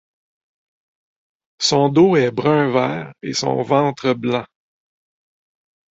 Son dos est brun-vert et son ventre blanc.